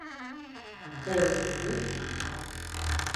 E os Rios?